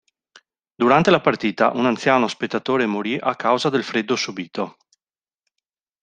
Durante la partita, un anziano spettatore morì a causa del freddo subito.